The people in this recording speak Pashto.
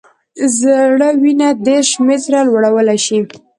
زړه وینه دېرش متره لوړولی شي.